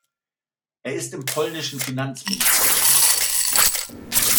Er ist im polnischen Finanzministerium beschäftigt.